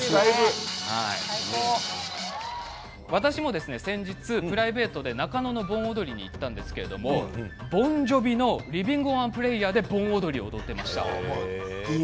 私もプライベートで中野の盆踊りに行ったんですけどボン・ジョヴィの「リヴィン・オン・ア・プレイヤー」で踊っていました。